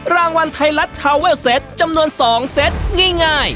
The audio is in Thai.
รางวัลไทยรัตน์ทาวเวลเสร็จจำนวนสองเสร็จง่ายง่าย